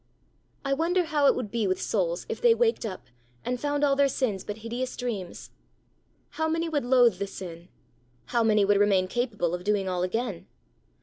I wonder how it would be with souls if they waked up and found all their sins but hideous dreams! How many would loathe the sin? How many would remain capable of doing all again?